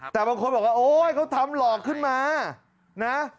แต่บางคนบอกว่าโอ๊ยเขาทำหลอกขึ้นมานะ